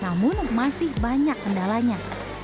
namun masih banyak kendalanya